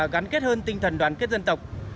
gắn kết hơn tinh thần đoàn kết dân tộc